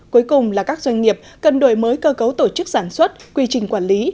cuối cùng là các doanh nghiệp cần đổi mới cơ cấu tổ chức sản xuất quy trình quản lý